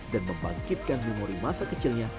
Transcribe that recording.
dan membangkitkan memori masa kecilnya